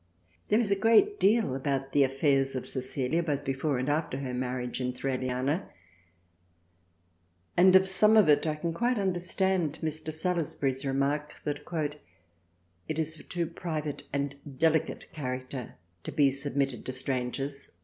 There is a great deal about the affairs of Cecilia both before and after her marriage in Thraliana, and of some of it I can quite understand Mr. Salus bury's remark that " it is of too private and delicate character to be submitted to strangers."